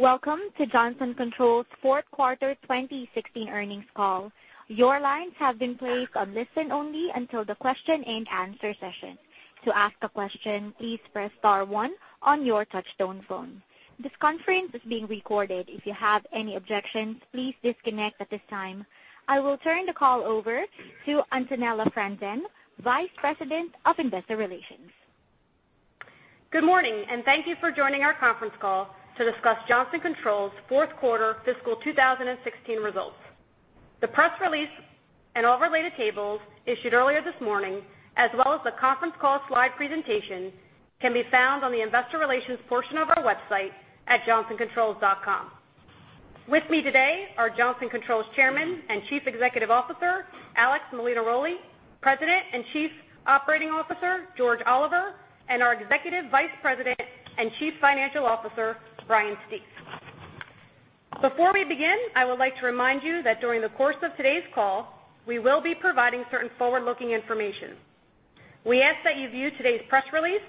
Welcome to Johnson Controls' fourth quarter 2016 earnings call. Your lines have been placed on listen only until the question and answer session. To ask a question, please press star one on your touch-tone phone. This conference is being recorded. If you have any objections, please disconnect at this time. I will turn the call over to Antonella Franzen, Vice President of Investor Relations. Good morning, thank you for joining our conference call to discuss Johnson Controls' fourth quarter fiscal 2016 results. The press release and all related tables issued earlier this morning, as well as the conference call slide presentation, can be found on the investor relations portion of our website at johnsoncontrols.com. With me today are Johnson Controls Chairman and Chief Executive Officer, Alex Molinaroli, President and Chief Operating Officer, George Oliver, and our Executive Vice President and Chief Financial Officer, Brian Stief. Before we begin, I would like to remind you that during the course of today's call, we will be providing certain forward-looking information. We ask that you view today's press release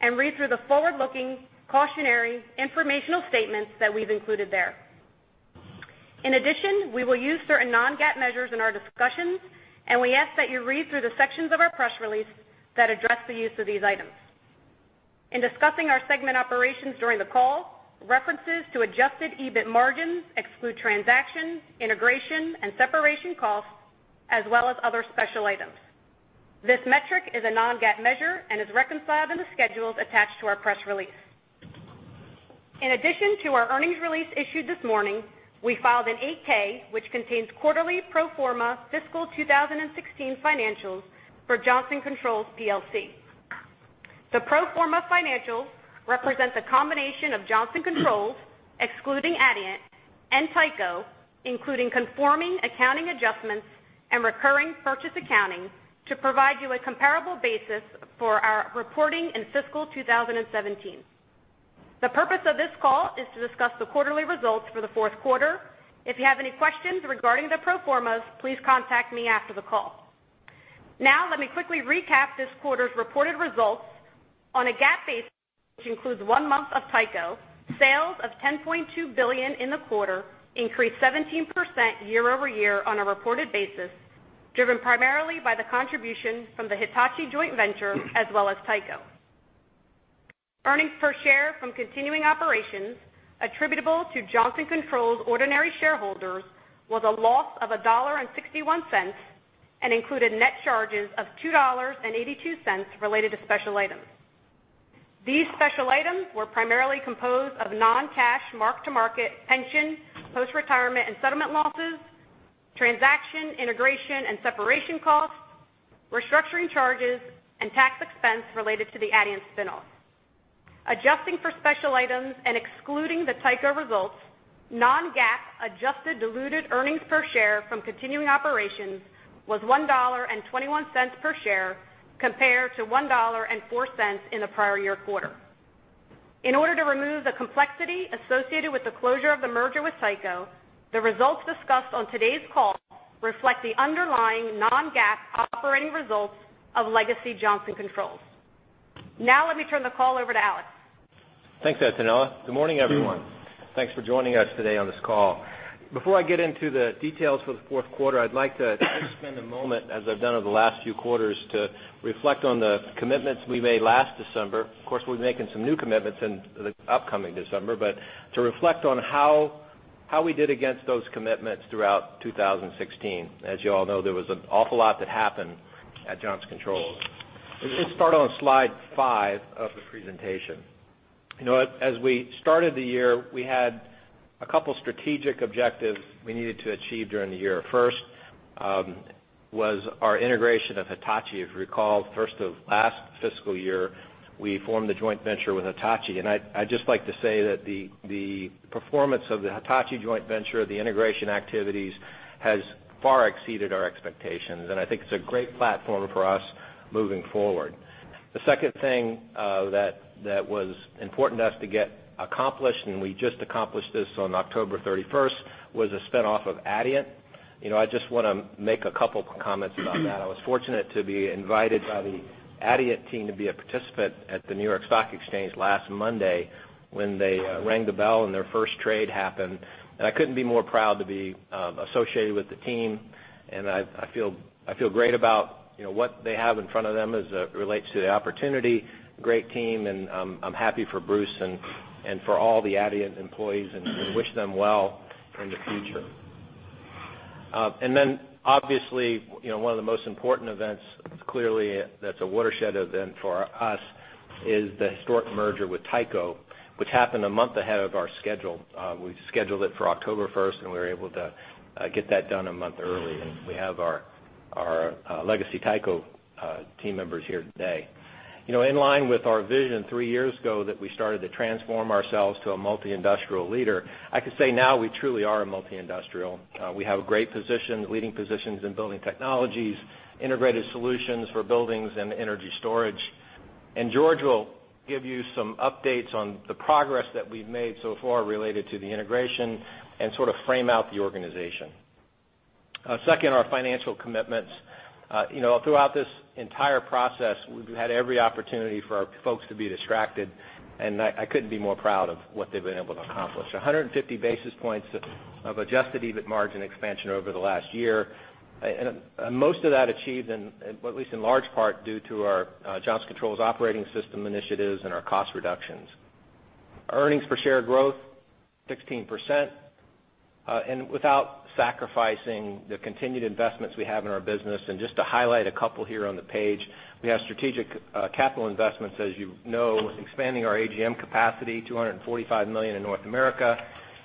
and read through the forward-looking cautionary informational statements that we've included there. We will use certain non-GAAP measures in our discussions, and we ask that you read through the sections of our press release that address the use of these items. In discussing our segment operations during the call, references to adjusted EBIT margins exclude transaction, integration, and separation costs, as well as other special items. This metric is a non-GAAP measure and is reconciled in the schedules attached to our press release. To our earnings release issued this morning, we filed an 8-K, which contains quarterly pro forma fiscal 2016 financials for Johnson Controls PLC. The pro forma financials represent a combination of Johnson Controls, excluding Adient and Tyco, including conforming accounting adjustments and recurring purchase accounting to provide you a comparable basis for our reporting in fiscal 2017. The purpose of this call is to discuss the quarterly results for the fourth quarter. If you have any questions regarding the pro formas, please contact me after the call. Let me quickly recap this quarter's reported results. On a GAAP basis, which includes one month of Tyco, sales of $10.2 billion in the quarter increased 17% year-over-year on a reported basis, driven primarily by the contribution from the Hitachi joint venture as well as Tyco. Earnings per share from continuing operations attributable to Johnson Controls' ordinary shareholders was a loss of $1.61 and included net charges of $2.82 related to special items. These special items were primarily composed of non-cash mark-to-market pension, post-retirement and settlement losses, transaction, integration, and separation costs, restructuring charges, and tax expense related to the Adient spin-off. Adjusting for special items and excluding the Tyco results, non-GAAP adjusted diluted earnings per share from continuing operations was $1.21 per share, compared to $1.04 in the prior year quarter. In order to remove the complexity associated with the closure of the merger with Tyco, the results discussed on today's call reflect the underlying non-GAAP operating results of Legacy Johnson Controls. Let me turn the call over to Alex. Thanks, Antonella. Good morning, everyone. Thanks for joining us today on this call. Before I get into the details for the fourth quarter, I'd like to spend a moment, as I've done over the last few quarters, to reflect on the commitments we made last December. Of course, we're making some new commitments in the upcoming December. To reflect on how we did against those commitments throughout 2016. As you all know, there was an awful lot that happened at Johnson Controls. Let's start on slide five of the presentation. As we started the year, we had a couple strategic objectives we needed to achieve during the year. First was our integration of Hitachi. If you recall, first of last fiscal year, we formed the joint venture with Hitachi, and I'd just like to say that the performance of the Hitachi joint venture, the integration activities, has far exceeded our expectations, and I think it's a great platform for us moving forward. The second thing that was important to us to get accomplished, and we just accomplished this on October 31st, was the spin-off of Adient. I just want to make a couple comments about that. I was fortunate to be invited by the Adient team to be a participant at the New York Stock Exchange last Monday when they rang the bell and their first trade happened, and I couldn't be more proud to be associated with the team. I feel great about what they have in front of them as it relates to the opportunity. Great team, and I'm happy for Bruce and for all the Adient employees and wish them well in the future. Obviously, one of the most important events, clearly that's a watershed event for us, is the historic merger with Tyco, which happened a month ahead of our schedule. We scheduled it for October 1st, and we were able to get that done a month early, and we have our Legacy Tyco team members here today. In line with our vision three years ago that we started to transform ourselves to a multi-industrial leader, I can say now we truly are a multi-industrial. We have a great position, leading positions in building technologies, integrated solutions for buildings, and energy storage. George will give you some updates on the progress that we've made so far related to the integration and sort of frame out the organization. Second, our financial commitments. Throughout this entire process, we've had every opportunity for our folks to be distracted, and I couldn't be more proud of what they've been able to accomplish. 150 basis points of adjusted EBIT margin expansion over the last year, and most of that achieved, at least in large part, due to our Johnson Controls Operating System initiatives and our cost reductions. Earnings per share growth 16%, and without sacrificing the continued investments we have in our business. Just to highlight a couple here on the page, we have strategic capital investments, as you know, expanding our AGM capacity, $245 million in North America,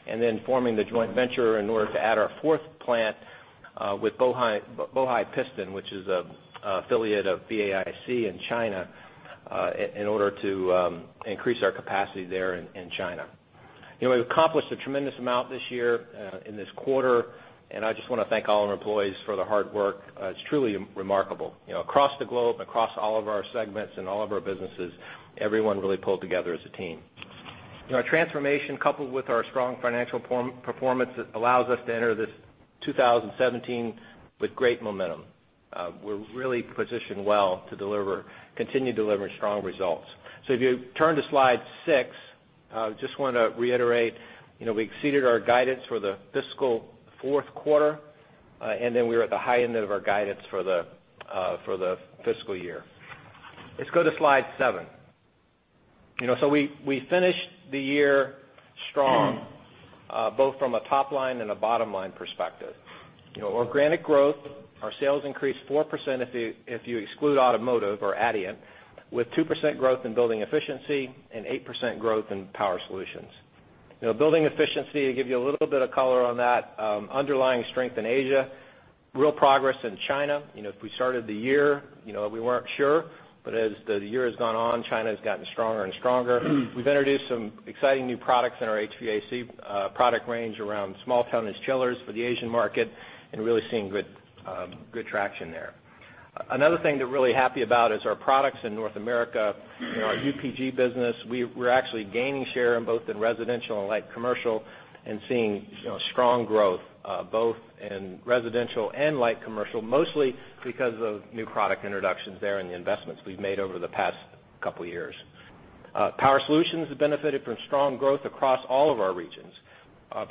and then forming the joint venture in order to add our fourth plant with Bohai Piston, which is an affiliate of BAIC in China, in order to increase our capacity there in China. We've accomplished a tremendous amount this year in this quarter, I just want to thank all our employees for their hard work. It's truly remarkable. Across the globe, across all of our segments and all of our businesses, everyone really pulled together as a team. Our transformation, coupled with our strong financial performance, allows us to enter this 2017 with great momentum. We're really positioned well to continue delivering strong results. If you turn to Slide six, just wanted to reiterate, we exceeded our guidance for the fiscal fourth quarter, we are at the high end of our guidance for the fiscal year. Let's go to Slide seven. We finished the year strong, both from a top-line and a bottom-line perspective. Organic growth, our sales increased 4% if you exclude automotive or Adient, with 2% growth in Building Efficiency and 8% growth in Power Solutions. Building Efficiency, to give you a little bit of color on that, underlying strength in Asia, real progress in China. If we started the year, we weren't sure, as the year has gone on, China has gotten stronger and stronger. We've introduced some exciting new products in our HVAC product range around small tonnage chillers for the Asian market, really seeing good traction there. Another thing to really be happy about is our products in North America. In our UPG business, we're actually gaining share both in residential and light commercial seeing strong growth, both in residential and light commercial, mostly because of new product introductions there and the investments we've made over the past couple of years. Power Solutions have benefited from strong growth across all of our regions.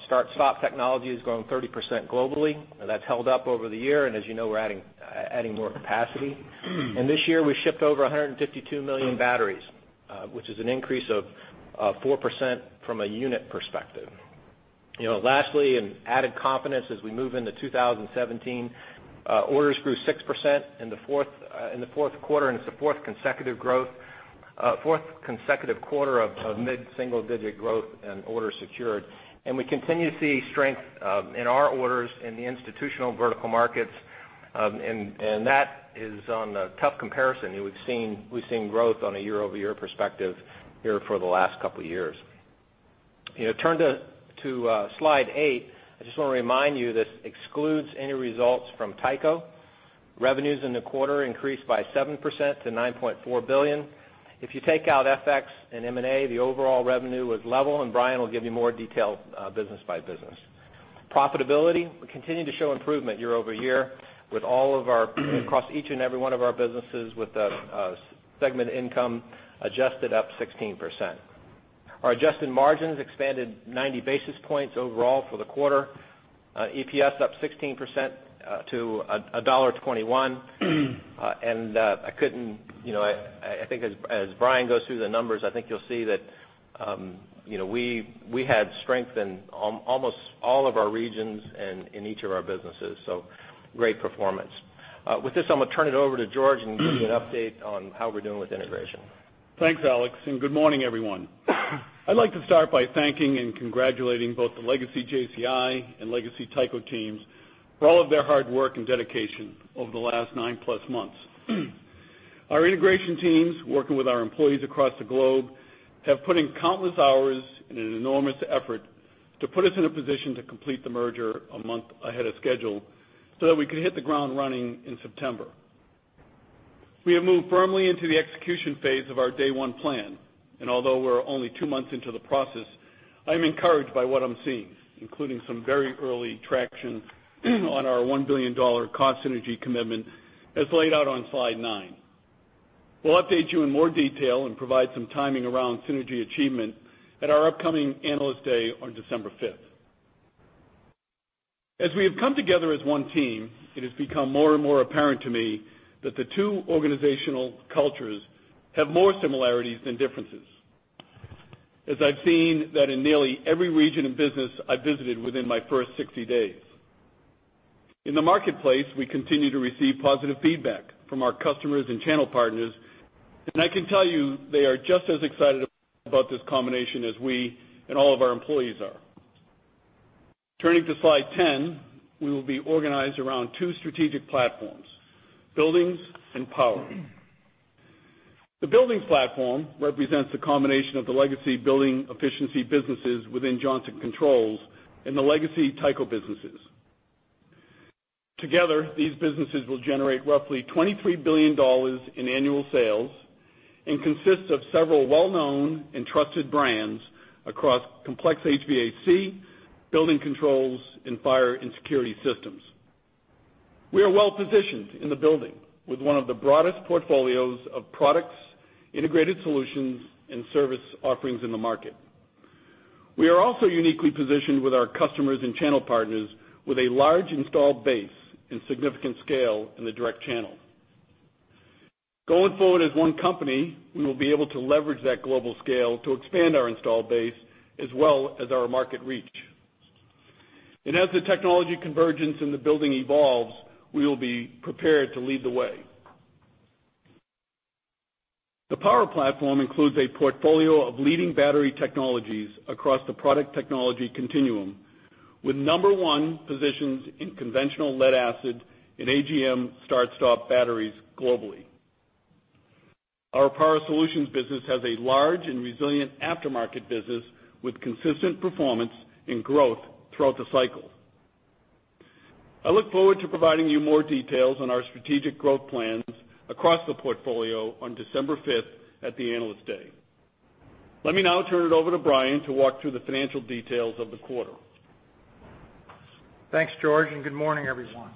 Start-stop technology has grown 30% globally. That's held up over the year. As you know, we're adding more capacity. This year, we shipped over 152 million batteries, which is an increase of 4% from a unit perspective. Lastly, in added confidence as we move into 2017, orders grew 6% in the fourth quarter, it's the fourth consecutive quarter of mid-single-digit growth in orders secured. We continue to see strength in our orders in the institutional vertical markets, that is on a tough comparison. We've seen growth on a year-over-year perspective here for the last couple of years. Turn to Slide eight. I just want to remind you, this excludes any results from Tyco. Revenues in the quarter increased by 7% to $9.4 billion. If you take out FX and M&A, the overall revenue was level, Brian will give you more detail business by business. Profitability, we continue to show improvement year-over-year across each and every one of our businesses, with segment income adjusted up 16%. Our adjusted margins expanded 90 basis points overall for the quarter. EPS up 16% to $1.21. As Brian goes through the numbers, I think you'll see that we had strength in almost all of our regions and in each of our businesses. Great performance. With this, I'm going to turn it over to George, and give you an update on how we're doing with integration. Thanks, Alex, and good morning, everyone. I'd like to start by thanking and congratulating both the legacy JCI and legacy Tyco teams for all of their hard work and dedication over the last nine plus months. Our integration teams, working with our employees across the globe, have put in countless hours and an enormous effort to put us in a position to complete the merger a month ahead of schedule so that we could hit the ground running in September. We have moved firmly into the execution phase of our Day One plan. Although we're only two months into the process, I'm encouraged by what I'm seeing, including some very early traction on our $1 billion cost synergy commitment, as laid out on Slide nine. We'll update you in more detail and provide some timing around synergy achievement at our upcoming Analyst Day on December 5th. As we have come together as one team, it has become more and more apparent to me that the two organizational cultures have more similarities than differences. As I've seen that in nearly every region of business I visited within my first 60 days. In the marketplace, we continue to receive positive feedback from our customers and channel partners, I can tell you they are just as excited about this combination as we and all of our employees are. Turning to Slide 10, we will be organized around two strategic platforms, buildings and power. The buildings platform represents the combination of the legacy Building Efficiency businesses within Johnson Controls and the legacy Tyco businesses. Together, these businesses will generate roughly $23 billion in annual sales and consist of several well-known and trusted brands across complex HVAC, building controls, and fire and security systems. We are well-positioned in the building with one of the broadest portfolios of products, integrated solutions, and service offerings in the market. We are also uniquely positioned with our customers and channel partners with a large installed base and significant scale in the direct channel. Going forward as one company, we will be able to leverage that global scale to expand our installed base as well as our market reach. As the technology convergence in the building evolves, we will be prepared to lead the way. The Power platform includes a portfolio of leading battery technologies across the product technology continuum, with number one positions in conventional lead-acid and AGM start-stop batteries globally. Our Power Solutions business has a large and resilient aftermarket business with consistent performance and growth throughout the cycle. I look forward to providing you more details on our strategic growth plans across the portfolio on December 5th at the Analyst Day. Let me now turn it over to Brian to walk through the financial details of the quarter. Thanks, George, and good morning, everyone.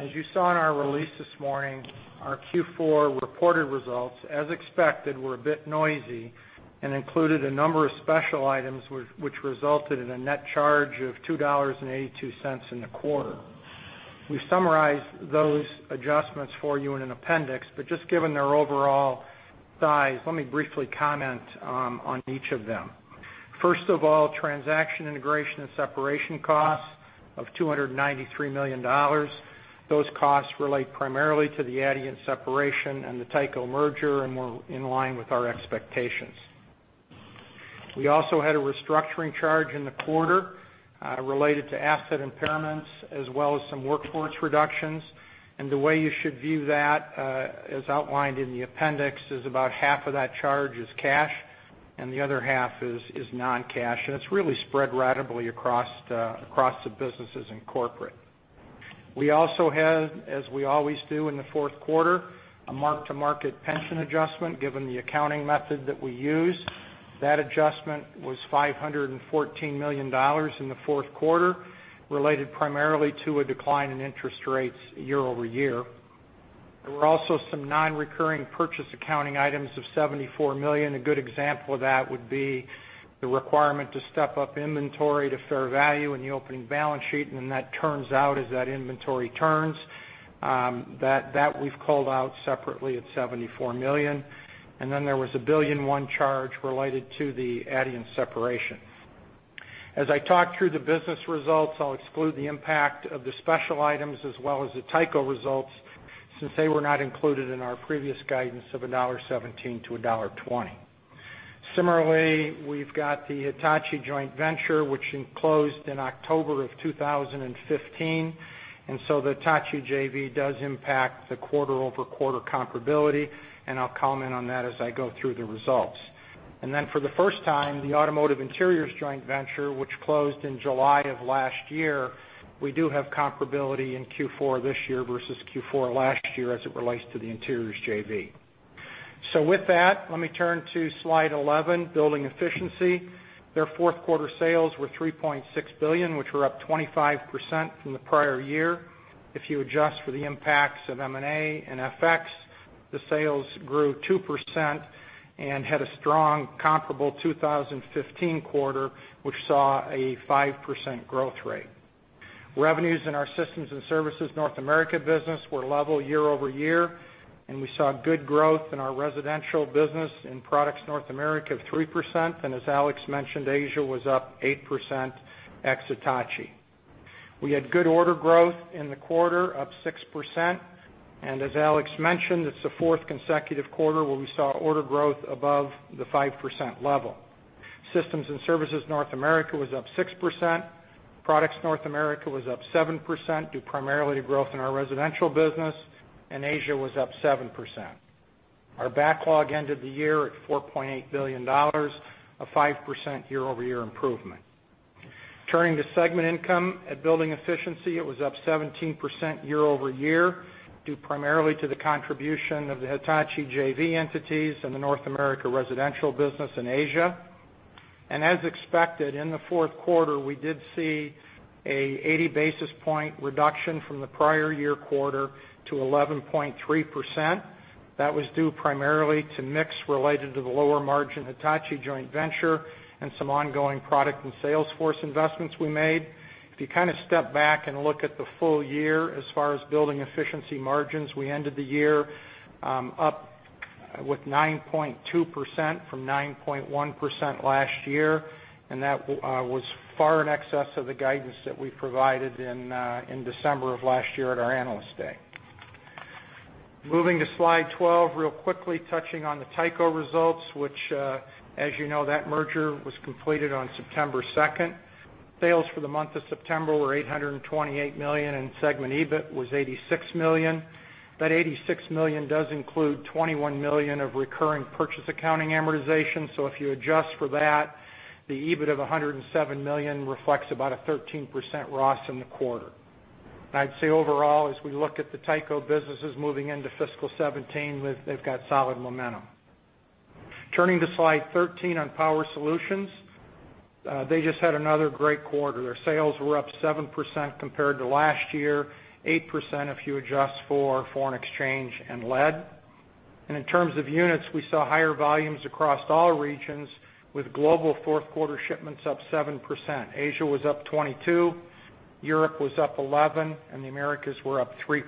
As you saw in our release this morning, our Q4 reported results, as expected, were a bit noisy and included a number of special items, which resulted in a net charge of $2.82 in the quarter. We summarized those adjustments for you in an appendix, but just given their overall size, let me briefly comment on each of them. First of all, transaction integration and separation costs of $293 million. Those costs relate primarily to the Adient separation and the Tyco merger and were in line with our expectations. We also had a restructuring charge in the quarter related to asset impairments as well as some workforce reductions. The way you should view that, as outlined in the appendix, is about half of that charge is cash and the other half is non-cash, and it's really spread ratably across the businesses in corporate. We also had, as we always do in the fourth quarter, a mark-to-market pension adjustment, given the accounting method that we use. That adjustment was $514 million in the fourth quarter, related primarily to a decline in interest rates year-over-year. There were also some non-recurring purchase accounting items of $74 million. A good example of that would be the requirement to step up inventory to fair value in the opening balance sheet, and then that turns out as that inventory turns. That we've called out separately at $74 million. Then there was a $1.1 billion charge related to the Adient separation. As I talk through the business results, I'll exclude the impact of the special items as well as the Tyco results, since they were not included in our previous guidance of $1.17-$1.20. Similarly, we've got the Hitachi joint venture, which closed in October 2015, the Hitachi JV does impact the quarter-over-quarter comparability, and I'll comment on that as I go through the results. Then for the first time, the automotive interiors joint venture, which closed in July last year, we do have comparability in Q4 this year versus Q4 last year as it relates to the interiors JV. With that, let me turn to slide 11, Building Efficiency. Their fourth-quarter sales were $3.6 billion, which were up 25% from the prior year. If you adjust for the impacts of M&A and FX, the sales grew 2% and had a strong comparable 2015 quarter, which saw a 5% growth rate. Revenues in our systems and services North America business were level year-over-year, we saw good growth in our residential business in products North America of 3%. As Alex mentioned, Asia was up 8% ex Hitachi. We had good order growth in the quarter, up 6%. As Alex mentioned, it's the fourth consecutive quarter where we saw order growth above the 5% level. Systems and services North America was up 6%. Products North America was up 7%, due primarily to growth in our residential business. Asia was up 7%. Our backlog ended the year at $4.8 billion, a 5% year-over-year improvement. Turning to segment income at Building Efficiency, it was up 17% year-over-year, due primarily to the contribution of the Hitachi JV entities and the North America residential business in Asia. As expected, in the fourth quarter, we did see an 80 basis point reduction from the prior year quarter to 11.3%. That was due primarily to mix related to the lower margin Hitachi joint venture and some ongoing product and sales force investments we made. If you kind of step back and look at the full year as far as Building Efficiency margins, we ended the year up with 9.2% from 9.1% last year, that was far in excess of the guidance that we provided in December of last year at our Analyst Day. Moving to slide 12, real quickly touching on the Tyco results, which as you know, that merger was completed on September 2nd. Sales for the month of September were $828 million, and segment EBIT was $86 million. That $86 million does include $21 million of recurring purchase accounting amortization. If you adjust for that, the EBIT of $107 million reflects about a 13% ROS in the quarter. I'd say overall, as we look at the Tyco businesses moving into fiscal 2017, they've got solid momentum. Turning to slide 13 on Power Solutions. They just had another great quarter. Their sales were up 7% compared to last year, 8%, if you adjust for foreign exchange and lead. In terms of units, we saw higher volumes across all regions, with global fourth quarter shipments up 7%. Asia was up 22%, Europe was up 11%, and the Americas were up 3%.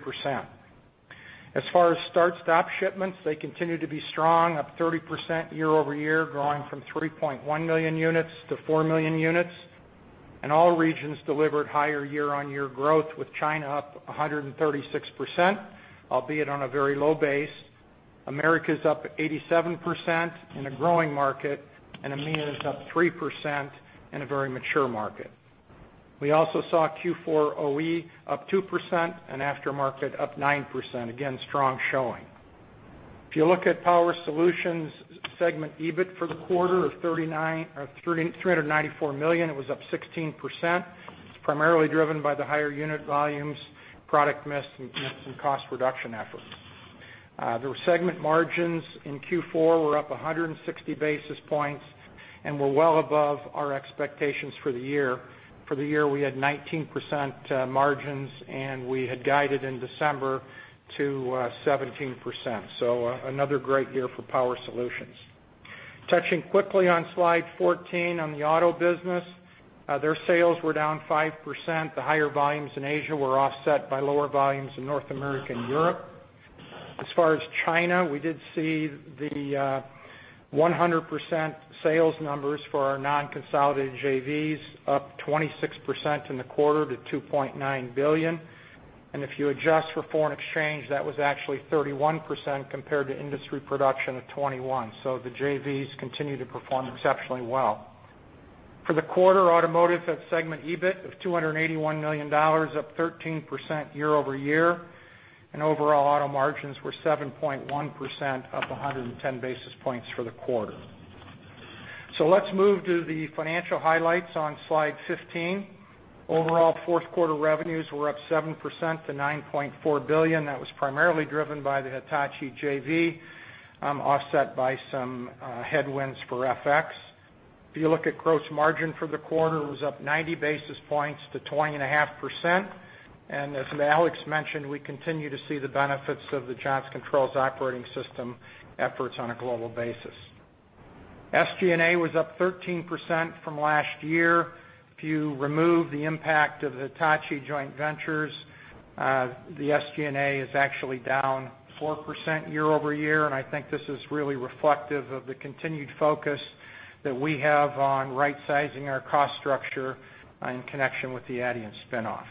As far as start-stop shipments, they continue to be strong, up 30% year-over-year, growing from 3.1 million units to 4 million units. All regions delivered higher year-on-year growth, with China up 136%, albeit on a very low base. Americas up 87% in a growing market, EMEA is up 3% in a very mature market. We also saw Q4 OE up 2% and aftermarket up 9%. Again, strong showing. If you look at Power Solutions segment EBIT for the quarter of $394 million, it was up 16%, primarily driven by the higher unit volumes, product mix, and cost reduction efforts. Their segment margins in Q4 were up 160 basis points and were well above our expectations for the year. For the year, we had 19% margins, and we had guided in December to 17%. Another great year for Power Solutions. Touching quickly on slide 14 on the auto business. Their sales were down 5%. The higher volumes in Asia were offset by lower volumes in North America and Europe. As far as China, we did see the 100% sales numbers for our non-consolidated JVs up 26% in the quarter to $2.9 billion. If you adjust for foreign exchange, that was actually 31% compared to industry production of 21%. The JVs continue to perform exceptionally well. For the quarter, Automotive had segment EBIT of $281 million, up 13% year-over-year, and overall auto margins were 7.1% up 110 basis points for the quarter. Let's move to the financial highlights on slide 15. Overall, fourth quarter revenues were up 7% to $9.4 billion. That was primarily driven by the Hitachi JV, offset by some headwinds for FX. If you look at gross margin for the quarter, it was up 90 basis points to 20.5%. As Alex mentioned, we continue to see the benefits of the Johnson Controls Operating System efforts on a global basis. SG&A was up 13% from last year. If you remove the impact of the Hitachi joint ventures, the SG&A is actually down 4% year-over-year. I think this is really reflective of the continued focus that we have on rightsizing our cost structure in connection with the Adient spin-off.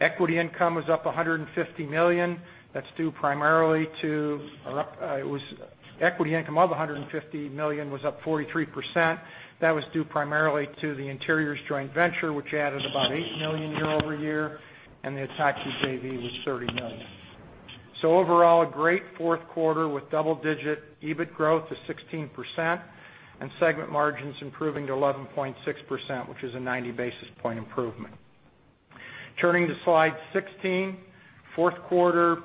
Equity income was up $150 million. Equity income of $150 million was up 43%. That was due primarily to the Interiors joint venture, which added about $8 million year-over-year, and the Hitachi JV was $30 million. Overall, a great fourth quarter with double-digit EBIT growth of 16% and segment margins improving to 11.6%, which is a 90 basis point improvement. Turning to slide 16, fourth quarter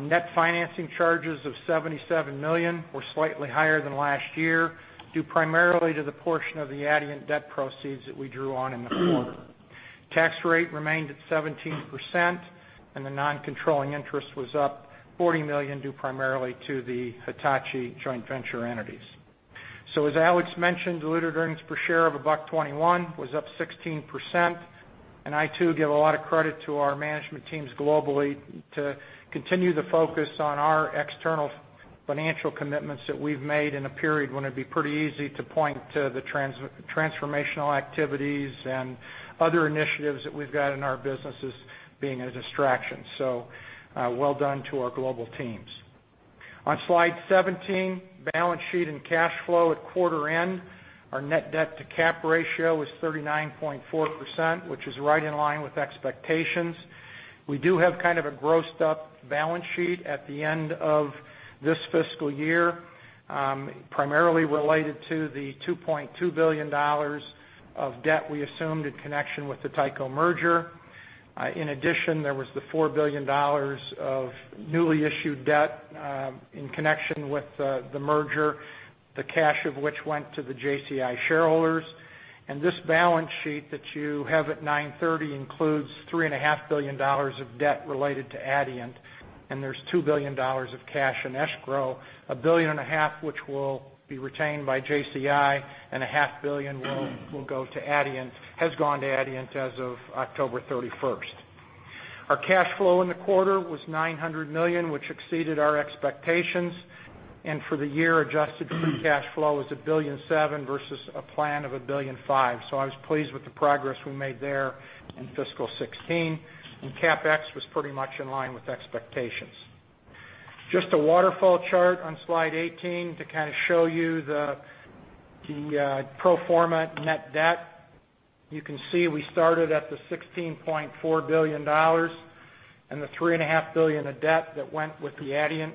net financing charges of $77 million were slightly higher than last year, due primarily to the portion of the Adient debt proceeds that we drew on in the quarter. Tax rate remained at 17%. The non-controlling interest was up $40 million, due primarily to the Hitachi joint venture entities. As Alex mentioned, diluted earnings per share of $1.21 was up 16%, and I too give a lot of credit to our management teams globally to continue to focus on our external financial commitments that we've made in a period when it'd be pretty easy to point to the transformational activities and other initiatives that we've got in our businesses being a distraction. Well done to our global teams. On slide 17, balance sheet and cash flow at quarter end. Our net debt to cap ratio is 39.4%, which is right in line with expectations. We do have kind of a grossed-up balance sheet at the end of this fiscal year, primarily related to the $2.2 billion of debt we assumed in connection with the Tyco merger. In addition, there was the $4 billion of newly issued debt, in connection with the merger, the cash of which went to the JCI shareholders. This balance sheet that you have at 9/30 includes $3.5 billion of debt related to Adient, and there's $2 billion of cash in escrow, $1.5 billion which will be retained by JCI, and a half billion has gone to Adient as of October 31st. Our cash flow in the quarter was $900 million, which exceeded our expectations. For the year, adjusted free cash flow is $1.7 billion versus a plan of $1.5 billion. I was pleased with the progress we made there in fiscal 2016. CapEx was pretty much in line with expectations. Just a waterfall chart on slide 18 to kind of show you the pro forma net debt. You can see we started at the $16.4 billion and the $3.5 billion of debt that went with the Adient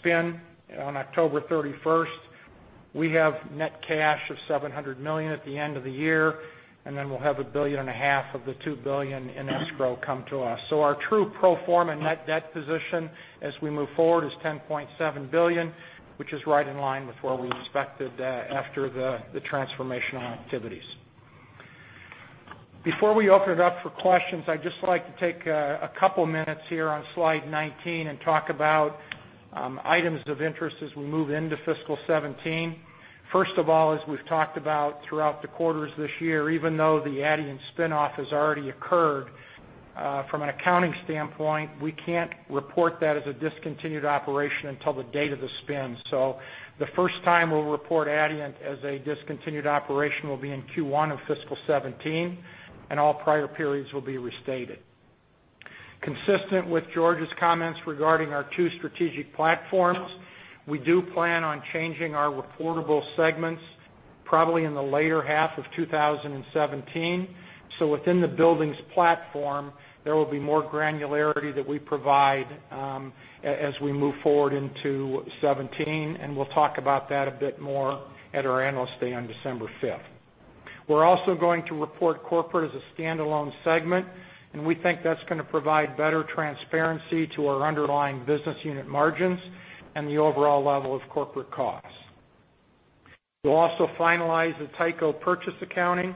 spin on October 31st. We have net cash of $700 million at the end of the year, then we'll have a billion and a half of the $2 billion in escrow come to us. Our true pro forma net debt position as we move forward is $10.7 billion, which is right in line with where we expected after the transformational activities. Before we open it up for questions, I'd just like to take a couple of minutes here on slide 19 and talk about items of interest as we move into fiscal 2017. First of all, as we've talked about throughout the quarters this year, even though the Adient spin-off has already occurred, from an accounting standpoint, we can't report that as a discontinued operation until the date of the spin. The first time we'll report Adient as a discontinued operation will be in Q1 of fiscal 2017, and all prior periods will be restated. Consistent with George's comments regarding our two strategic platforms, we do plan on changing our reportable segments probably in the latter half of 2017. Within the buildings platform, there will be more granularity that we provide as we move forward into 2017, and we'll talk about that a bit more at our Analyst Day on December 5th. We're also going to report corporate as a standalone segment, and we think that's going to provide better transparency to our underlying business unit margins and the overall level of corporate costs. We'll also finalize the Tyco purchase accounting.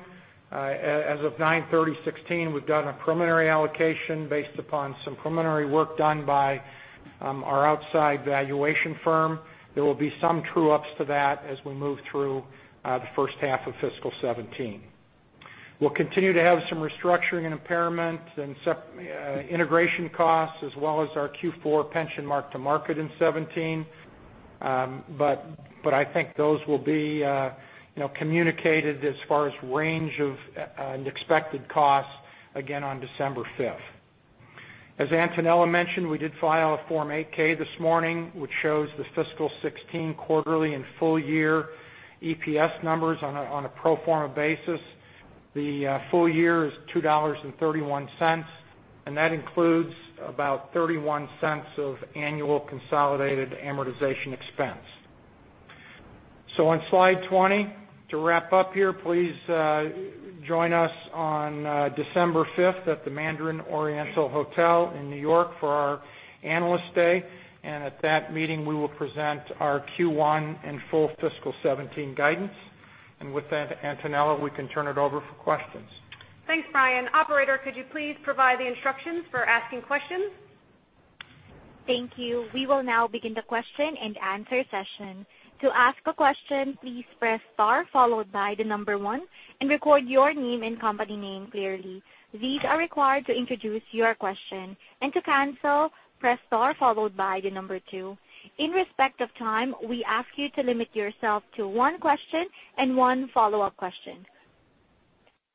As of 9/30/2016, we've done a preliminary allocation based upon some preliminary work done by our outside valuation firm. There will be some true-ups to that as we move through the first half of fiscal 2017. We'll continue to have some restructuring and impairment and integration costs, as well as our Q4 pension mark-to-market in 2017. I think those will be communicated as far as range of and expected costs again on December 5th. As Antonella mentioned, we did file a Form 8-K this morning, which shows the fiscal 2016 quarterly and full-year EPS numbers on a pro forma basis. The full year is $2.31, that includes about $0.31 of annual consolidated amortization expense. On slide 20, to wrap up here, please join us on December 5th at the Mandarin Oriental Hotel in New York for our Analyst Day. At that meeting, we will present our Q1 and full fiscal 2017 guidance. With that, Antonella, we can turn it over for questions. Thanks, Brian. Operator, could you please provide the instructions for asking questions? Thank you. We will now begin the question and answer session. To ask a question, please press star followed by the number 1, and record your name and company name clearly. These are required to introduce your question. To cancel, press star followed by the number 2. In respect of time, we ask you to limit yourself to one question and one follow-up question.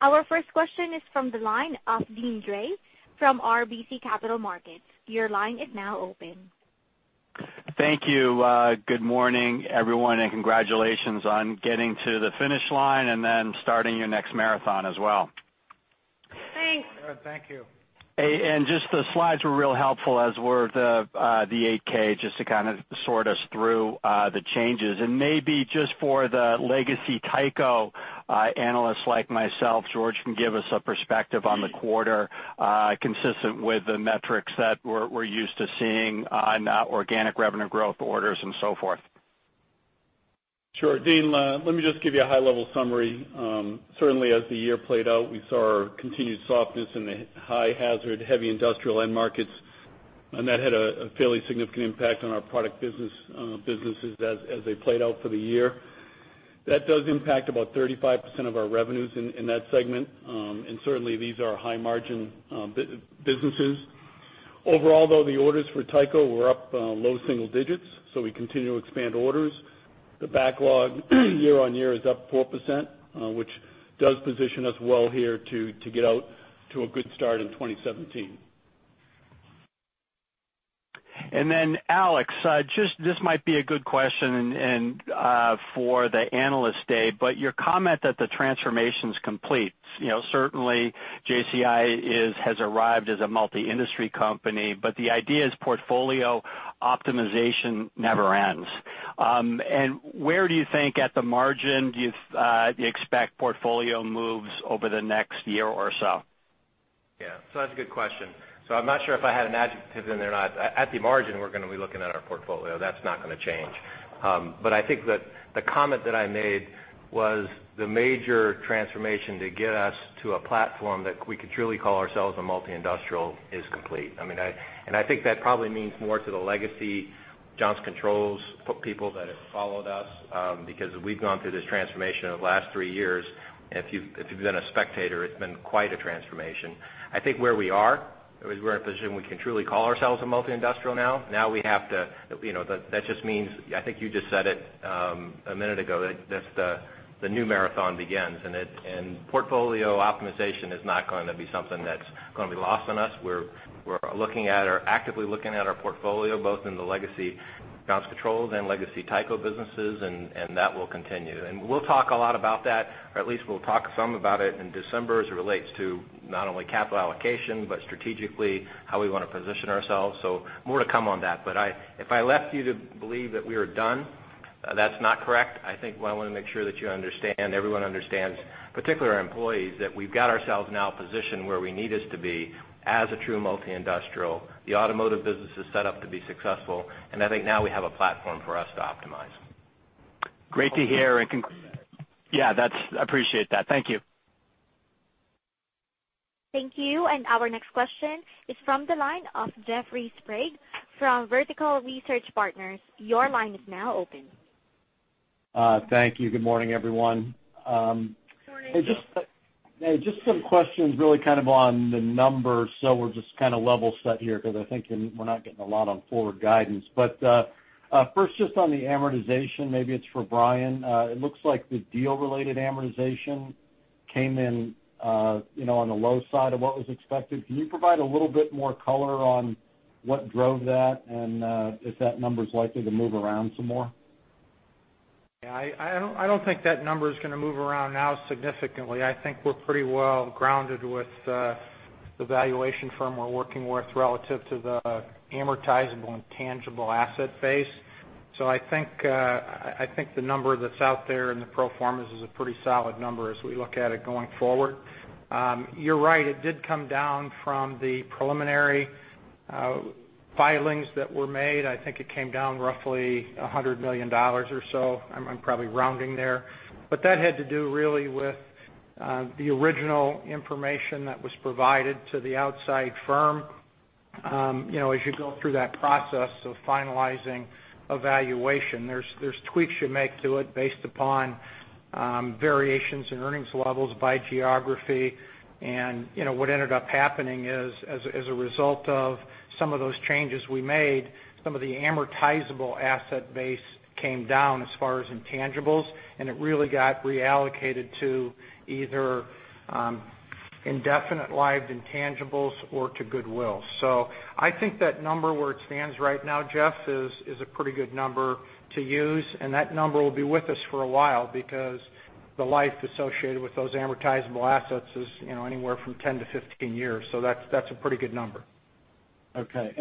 Our first question is from the line of Deane Dray from RBC Capital Markets. Your line is now open. Thank you. Good morning, everyone, and congratulations on getting to the finish line and then starting your next marathon as well. Thanks. Thank you. Just the slides were real helpful, as were the 8-K, just to kind of sort us through the changes. Maybe just for the legacy Tyco analysts like myself, George can give us a perspective on the quarter consistent with the metrics that we're used to seeing on organic revenue growth orders and so forth. Sure. Deane, let me just give you a high-level summary. Certainly, as the year played out, we saw our continued softness in the high hazard, heavy industrial end markets, that had a fairly significant impact on our product businesses as they played out for the year. That does impact about 35% of our revenues in that segment. Certainly, these are high-margin businesses. Overall, though, the orders for Tyco were up low single digits, we continue to expand orders. The backlog year-on-year is up 4%, which does position us well here to get out to a good start in 2017. Alex, this might be a good question for the Analyst Day, your comment that the transformation's complete. Certainly JCI has arrived as a multi-industry company, the idea is portfolio optimization never ends. Where do you think at the margin, do you expect portfolio moves over the next year or so? Yeah. That's a good question. I'm not sure if I had an adjective in there or not. At the margin, we're going to be looking at our portfolio. That's not going to change. I think that the comment that I made was the major transformation to get us to a platform that we could truly call ourselves a multi-industrial is complete. I think that probably means more to the legacy Johnson Controls people that have followed us because we've gone through this transformation over the last three years, if you've been a spectator, it's been quite a transformation. I think where we are, we're at a position we can truly call ourselves a multi-industrial now. That just means, I think you just said it a minute ago, that the new marathon begins. Portfolio optimization is not going to be something that's going to be lost on us. We're actively looking at our portfolio, both in the legacy Johnson Controls and legacy Tyco businesses, and that will continue. We'll talk a lot about that, or at least we'll talk some about it in December as it relates to not only capital allocation, but strategically how we want to position ourselves. More to come on that. If I left you to believe that we were done That's not correct. I think what I want to make sure that you understand, everyone understands, particularly our employees, that we've got ourselves now positioned where we need us to be as a true multi-industrial. The automotive business is set up to be successful. I think now we have a platform for us to optimize. Great to hear and yeah, I appreciate that. Thank you. Thank you. Our next question is from the line of Jeffrey Sprague from Vertical Research Partners. Your line is now open. Thank you. Good morning, everyone. Good morning. Just some questions really on the numbers, so we're just level set here because I think we're not getting a lot on forward guidance. First, just on the amortization, maybe it's for Brian. It looks like the deal-related amortization came in on the low side of what was expected. Can you provide a little bit more color on what drove that and if that number's likely to move around some more? Yeah, I don't think that number is going to move around now significantly. I think we're pretty well grounded with the valuation firm we're working with relative to the amortizable and tangible asset base. I think the number that's out there in the pro formas is a pretty solid number as we look at it going forward. You're right, it did come down from the preliminary filings that were made. I think it came down roughly $100 million or so. I'm probably rounding there. That had to do really with the original information that was provided to the outside firm. As you go through that process of finalizing a valuation, there's tweaks you make to it based upon variations in earnings levels by geography. What ended up happening is, as a result of some of those changes we made, some of the amortizable asset base came down as far as intangibles, and it really got reallocated to either indefinite lived intangibles or to goodwill. I think that number where it stands right now, Jeff, is a pretty good number to use, and that number will be with us for a while because the life associated with those amortizable assets is anywhere from 10-15 years. That's a pretty good number. Okay.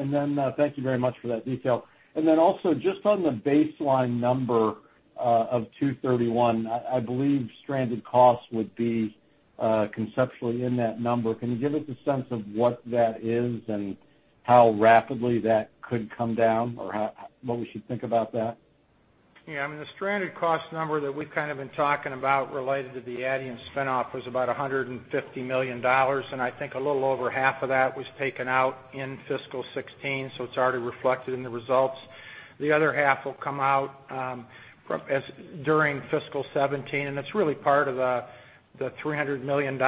Thank you very much for that detail. Also just on the baseline number of 231, I believe stranded costs would be conceptually in that number. Can you give us a sense of what that is and how rapidly that could come down or what we should think about that? I mean, the stranded cost number that we've kind of been talking about related to the Adient spin-off was about $150 million, and I think a little over half of that was taken out in fiscal 2016, so it's already reflected in the results. The other half will come out during fiscal 2017, and it's really part of the $300 million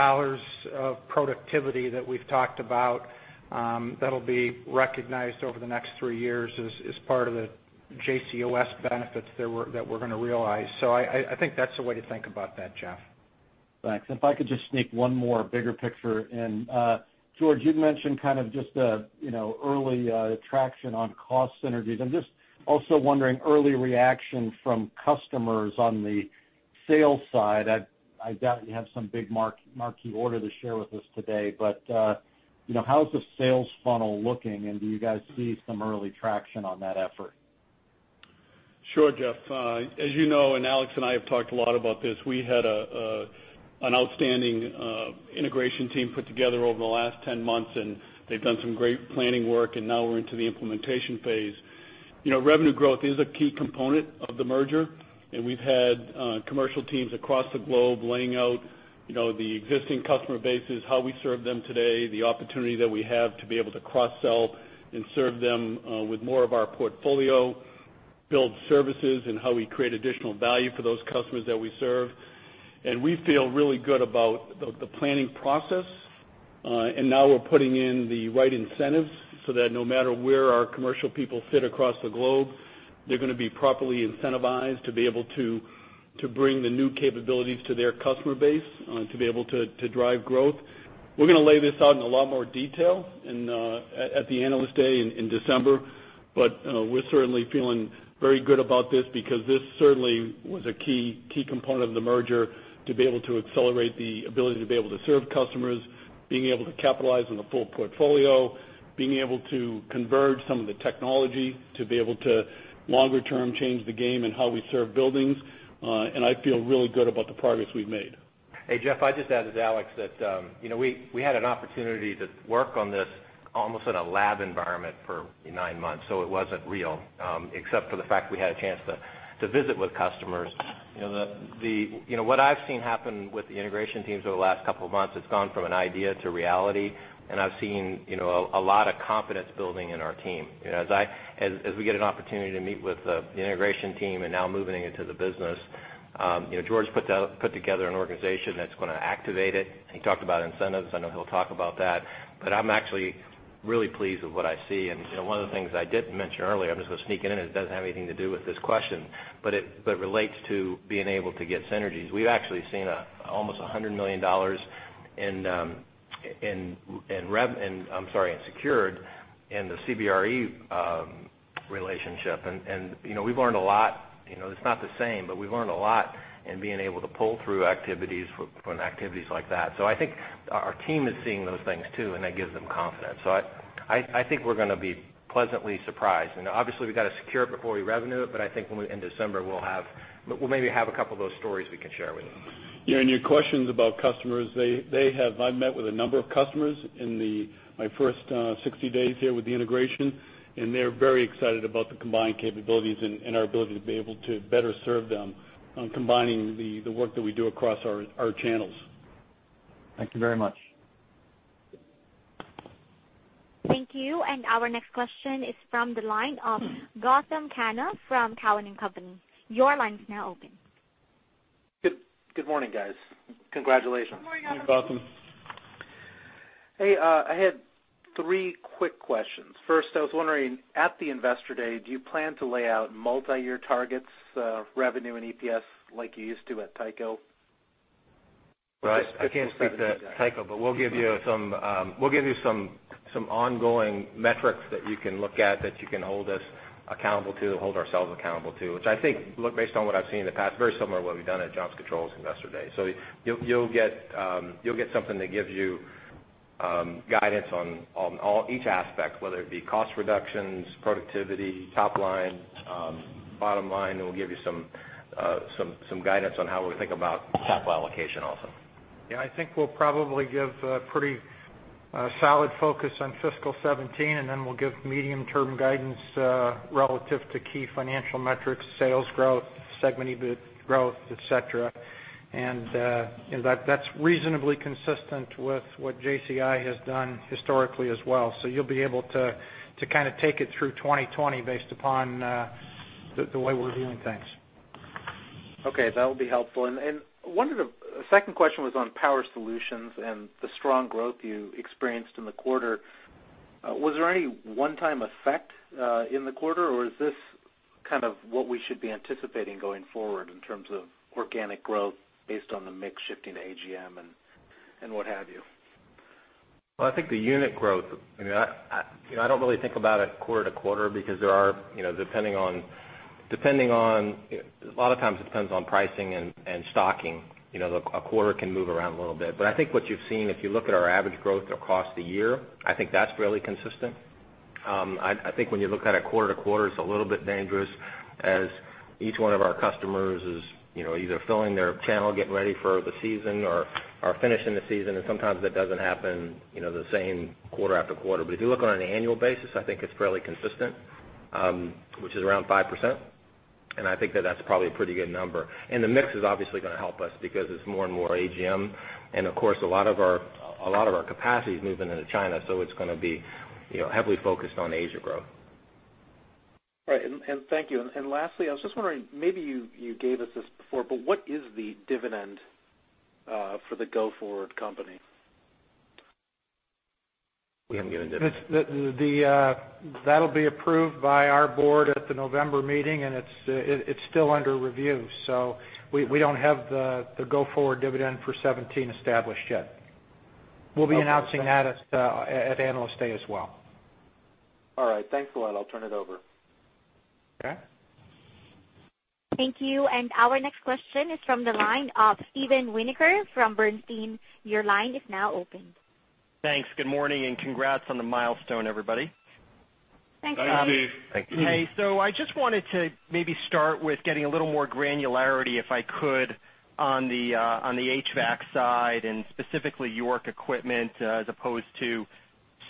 of productivity that we've talked about that'll be recognized over the next three years as part of the JCOS benefits that we're going to realize. I think that's the way to think about that, Jeff. Thanks. If I could just sneak one more bigger picture in. George, you'd mentioned kind of just the early traction on cost synergies. I'm just also wondering early reaction from customers on the sales side. I doubt you have some big marquee order to share with us today, how's the sales funnel looking, and do you guys see some early traction on that effort? Sure, Jeff. As you know, Alex and I have talked a lot about this, we had an outstanding integration team put together over the last 10 months. They've done some great planning work, and now we're into the implementation phase. Revenue growth is a key component of the merger, we've had commercial teams across the globe laying out the existing customer bases, how we serve them today, the opportunity that we have to be able to cross-sell and serve them with more of our portfolio, build services, and how we create additional value for those customers that we serve. We feel really good about the planning process. Now we're putting in the right incentives so that no matter where our commercial people sit across the globe, they're going to be properly incentivized to be able to bring the new capabilities to their customer base to be able to drive growth. We're going to lay this out in a lot more detail at the Analyst Day in December, we're certainly feeling very good about this because this certainly was a key component of the merger to be able to accelerate the ability to be able to serve customers, being able to capitalize on the full portfolio, being able to converge some of the technology, to be able to longer term change the game in how we serve buildings. I feel really good about the progress we've made. Hey, Jeff, I'd just add as Alex that we had an opportunity to work on this almost in a lab environment for nine months, so it wasn't real, except for the fact we had a chance to visit with customers. What I've seen happen with the integration teams over the last couple of months, it's gone from an idea to reality, I've seen a lot of confidence building in our team. As we get an opportunity to meet with the integration team and now moving into the business, George put together an organization that's going to activate it. He talked about incentives. I know he'll talk about that, I'm actually really pleased with what I see. One of the things I didn't mention earlier, I'm just going to sneak it in, it doesn't have anything to do with this question, it relates to being able to get synergies. We've actually seen almost $100 million in secured in the CBRE relationship. We've learned a lot. It's not the same, we've learned a lot in being able to pull through activities from activities like that. I think our team is seeing those things too, and that gives them confidence. I think we're going to be pleasantly surprised. Obviously, we've got to secure it before we revenue it, I think in December, we'll maybe have two of those stories we can share with you. Yeah. Your questions about customers. I met with a number of customers in my first 60 days here with the integration, and they're very excited about the combined capabilities and our ability to be able to better serve them on combining the work that we do across our channels. Thank you very much. Thank you. Our next question is from the line of Gautam Khanna from Cowen and Company. Your line is now open. Good morning, guys. Congratulations. Good morning, Gautam. Hey, Gautam. Hey, I had three quick questions. First, I was wondering, at the Investor Day, do you plan to lay out multi-year targets, revenue, and EPS like you used to at Tyco? Right. I can't speak to Tyco, but we'll give you some ongoing metrics that you can look at, that you can hold us accountable to, hold ourselves accountable to, which I think, based on what I've seen in the past, very similar to what we've done at Johnson Controls Investor Day. You'll get something that gives you guidance on each aspect, whether it be cost reductions, productivity, top line, bottom line. We'll give you some guidance on how we think about capital allocation also. I think we'll probably give a pretty solid focus on fiscal 2017, then we'll give medium-term guidance relative to key financial metrics, sales growth, segment EBIT growth, et cetera. That's reasonably consistent with what JCI has done historically as well. You'll be able to kind of take it through 2020 based upon the way we're viewing things. Okay. That'll be helpful. The second question was on Power Solutions and the strong growth you experienced in the quarter. Was there any one-time effect in the quarter, or is this kind of what we should be anticipating going forward in terms of organic growth based on the mix shifting to AGM and what have you? Well, I think the unit growth. I don't really think about it quarter to quarter because a lot of times it depends on pricing and stocking. A quarter can move around a little bit. I think what you've seen, if you look at our average growth across the year, I think that's fairly consistent. I think when you look at it quarter to quarter, it's a little bit dangerous as each one of our customers is either filling their channel, getting ready for the season, or are finishing the season, and sometimes that doesn't happen the same quarter after quarter. If you look on an annual basis, I think it's fairly consistent, which is around 5%. I think that that's probably a pretty good number. The mix is obviously going to help us because it's more and more AGM. Of course, a lot of our capacity is moving into China, so it's going to be heavily focused on Asia growth. Right. Thank you. Lastly, I was just wondering, maybe you gave us this before, but what is the dividend for the go-forward company? We haven't given dividend. That'll be approved by our board at the November meeting, and it's still under review. We don't have the go-forward dividend for 2017 established yet. Okay. We'll be announcing that at Analyst Day as well. All right. Thanks a lot. I'll turn it over. Okay. Thank you. Our next question is from the line of Steven Winoker from Bernstein. Your line is now open. Thanks. Good morning, and congrats on the milestone, everybody. Thanks, Steve. Thank you. Hey. I just wanted to maybe start with getting a little more granularity, if I could, on the HVAC side and specifically YORK equipment as opposed to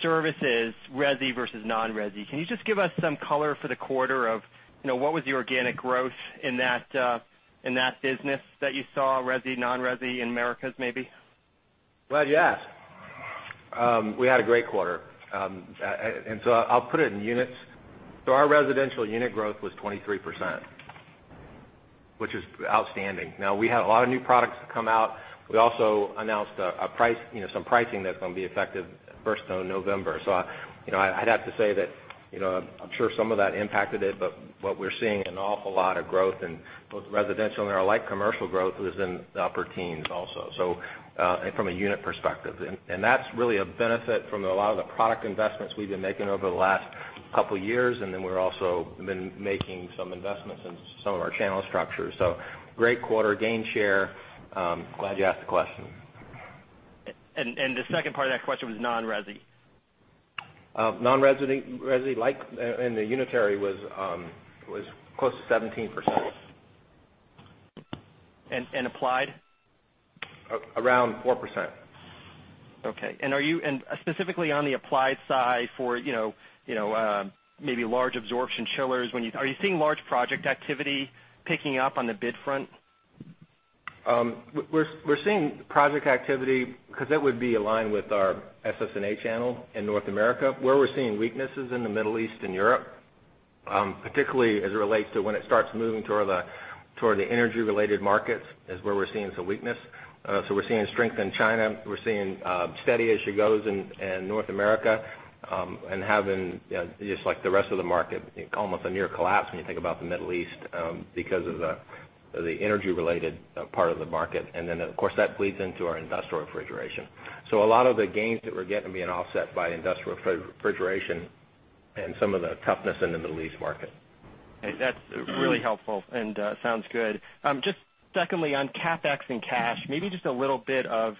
services, resi versus non-resi. Can you just give us some color for the quarter of what was the organic growth in that business that you saw, resi, non-resi in Americas, maybe? Glad you asked. We had a great quarter. I'll put it in units. Our residential unit growth was 23%, which is outstanding. Now, we had a lot of new products come out. We also announced some pricing that's going to be effective 1st of November. I'd have to say that I'm sure some of that impacted it, but what we're seeing an awful lot of growth in both residential and our light commercial growth was in the upper teens also from a unit perspective. That's really a benefit from a lot of the product investments we've been making over the last couple of years, and then we're also been making some investments in some of our channel structures. Great quarter, gain share. Glad you asked the question. The second part of that question was non-resi. Non-resi, in the unitary was close to 17%. Applied? Around 4%. Okay. Specifically on the applied side for maybe large absorption chillers, are you seeing large project activity picking up on the bid front? We're seeing project activity, because that would be aligned with our SSNA channel in North America, where we're seeing weaknesses in the Middle East and Europe, particularly as it relates to when it starts moving toward the energy-related markets is where we're seeing some weakness. We're seeing strength in China. We're seeing steady as she goes in North America, and having, just like the rest of the market, almost a near collapse when you think about the Middle East because of the energy-related part of the market. Then, of course, that bleeds into our industrial refrigeration. A lot of the gains that we're getting are being offset by industrial refrigeration and some of the toughness in the Middle East market. That's really helpful and sounds good. Just secondly, on CapEx and cash, maybe just a little bit of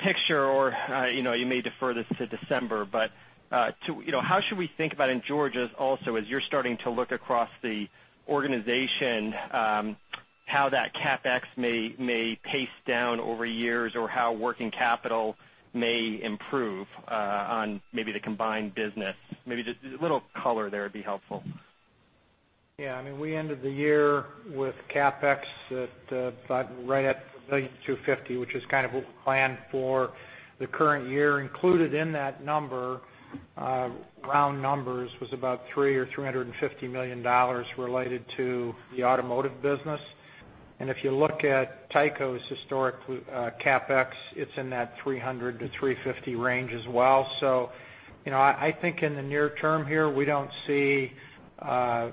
picture or you may defer this to December, but how should we think about in [Georgias] also, as you're starting to look across the organization, how that CapEx may pace down over years or how working capital may improve on maybe the combined business? Maybe just a little color there would be helpful. Yeah, we ended the year with CapEx at about right at $1.25 billion, which is what we planned for the current year. Included in that number, round numbers, was about three or $350 million related to the automotive business. If you look at Tyco's historic CapEx, it's in that 300-350 range as well. I think in the near term here, we don't see a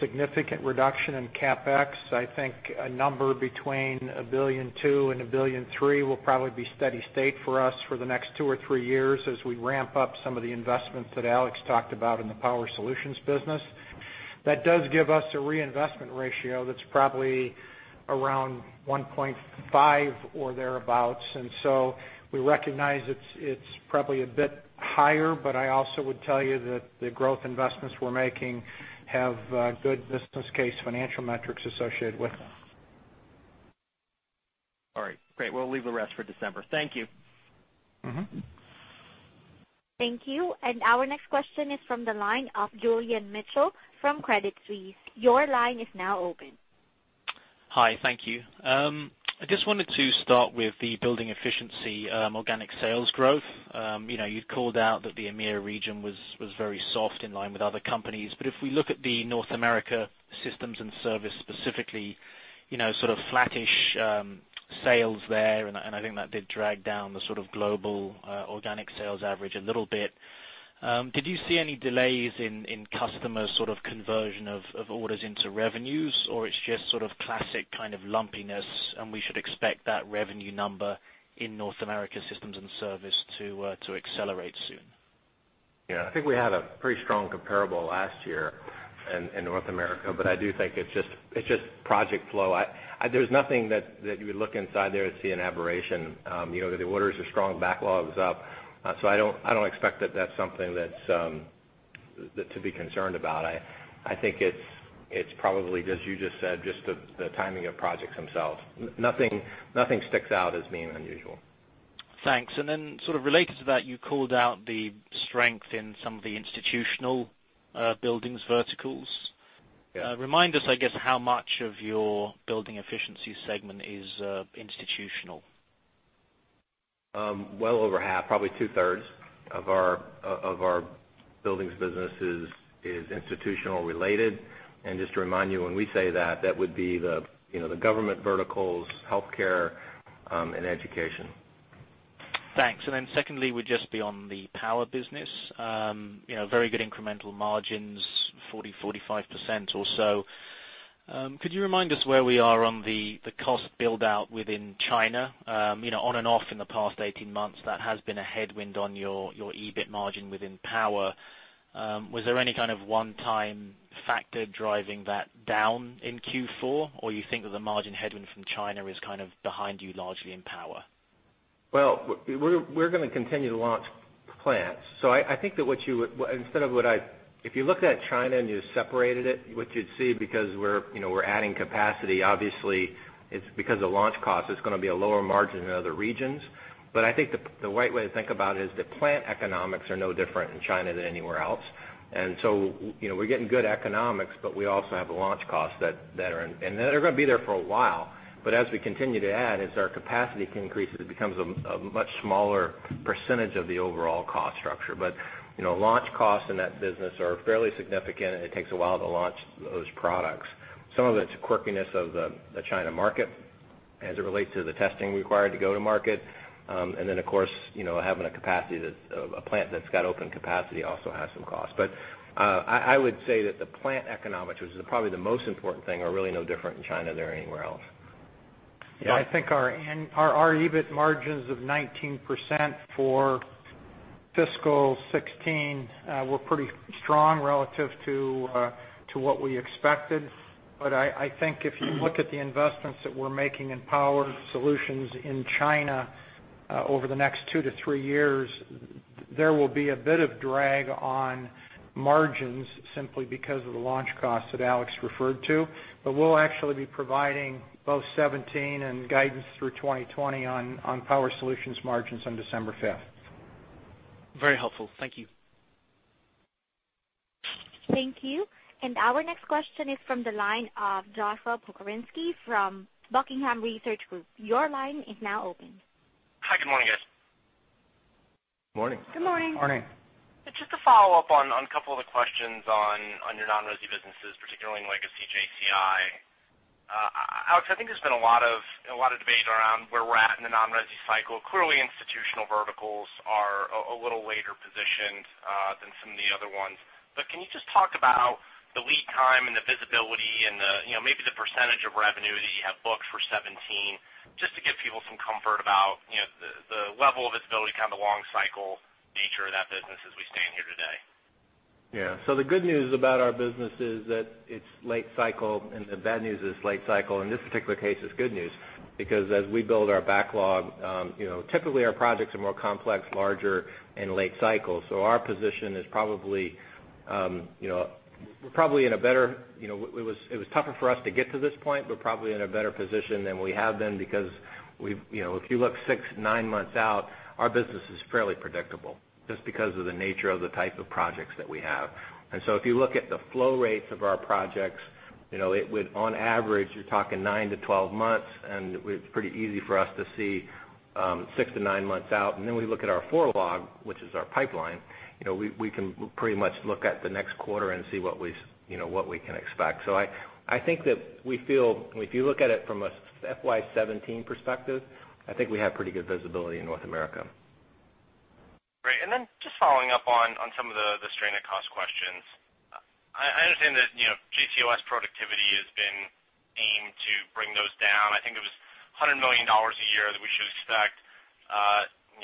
significant reduction in CapEx. I think a number between $1.2 billion-$1.3 billion will probably be steady state for us for the next two or three years, as we ramp up some of the investments that Alex talked about in the Power Solutions business. That does give us a reinvestment ratio that's probably around 1.5 or thereabouts. We recognize it's probably a bit higher, I also would tell you that the growth investments we're making have good business case financial metrics associated with them. All right. Great. We'll leave the rest for December. Thank you. Thank you. Our next question is from the line of Julian Mitchell from Credit Suisse. Your line is now open. Hi, thank you. I just wanted to start with the Building Efficiency organic sales growth. You've called out that the EMEAR region was very soft in line with other companies. If we look at the North America Systems and Service specifically, sort of flattish sales there, I think that did drag down the sort of global organic sales average a little bit. Did you see any delays in customer sort of conversion of orders into revenues, or it's just sort of classic kind of lumpiness, and we should expect that revenue number in North America Systems and Service to accelerate soon? Yeah. I think we had a pretty strong comparable last year in North America. I do think it's just project flow. There's nothing that you would look inside there and see an aberration. The orders are strong, backlog's up. I don't expect that that's something to be concerned about. I think it's probably, as you just said, just the timing of projects themselves. Nothing sticks out as being unusual. Thanks. Sort of related to that, you called out the strength in some of the institutional buildings verticals. Yeah. Remind us, I guess, how much of your Building Efficiency segment is institutional? Well over half, probably two-thirds of our buildings businesses is institutional related. Just to remind you, when we say that would be the government verticals, healthcare, and education. Thanks. Secondly would just be on the Power business. Very good incremental margins, 40%-45% or so. Could you remind us where we are on the cost build-out within China? On and off in the past 18 months, that has been a headwind on your EBIT margin within Power. Was there any kind of one-time factor driving that down in Q4, or you think that the margin headwind from China is kind of behind you largely in Power? We're going to continue to launch plants. I think that if you looked at China and you separated it, what you'd see, because we're adding capacity, obviously it's because of launch costs, it's going to be a lower margin than other regions. I think the right way to think about it is the plant economics are no different in China than anywhere else. We're getting good economics, but we also have the launch costs, and they're going to be there for a while. As we continue to add, as our capacity can increase, it becomes a much smaller percentage of the overall cost structure. Launch costs in that business are fairly significant, and it takes a while to launch those products. Some of it's quirkiness of the China market as it relates to the testing required to go to market. Of course, having a plant that's got open capacity also has some costs. I would say that the plant economics, which is probably the most important thing, are really no different in China than anywhere else. I think our EBIT margins of 19% for fiscal 2016 were pretty strong relative to what we expected. I think if you look at the investments that we're making in Power Solutions in China over the next 2-3 years, there will be a bit of drag on margins simply because of the launch costs that Alex referred to. We'll actually be providing both 2017 and guidance through 2020 on Power Solutions margins on December 5th. Very helpful. Thank you. Thank you. Our next question is from the line of Joshua Pokrzywinski from Buckingham Research Group. Your line is now open. Hi, good morning, guys. Morning. Good morning. Morning. Just to follow up on a couple of the questions on your non-resi businesses, particularly in Legacy JCI. Alex, I think there's been a lot of debate around where we're at in the non-resi cycle. Clearly, institutional verticals are a little later positioned than some of the other ones. Can you just talk about the lead time and the visibility and maybe the percentage of revenue that you have booked for 2017, just to give people some comfort about the level of visibility, kind of the long cycle nature of that business as we stand here today? Yeah. The good news about our business is that it's late cycle, and the bad news is late cycle. In this particular case, it's good news because as we build our backlog, typically, our projects are more complex, larger, and late cycle. Our position is we're probably in a better position than we have been because if you look six, nine months out, our business is fairly predictable, just because of the nature of the type of projects that we have. If you look at the flow rates of our projects, on average, you're talking nine to 12 months, and it's pretty easy for us to see six to nine months out. Then we look at our forward log, which is our pipeline. We can pretty much look at the next quarter and see what we can expect. I think that if you look at it from a FY 2017 perspective, I think we have pretty good visibility in North America. Great. Just following up on some of the stranded cost questions. I understand that JCOS productivity has been aimed to bring those down. I think it was $100 million a year that we should expect.